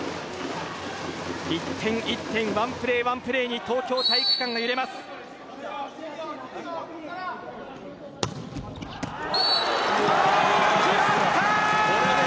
１点１点、１プレー１プレーに東京体育館が揺れます。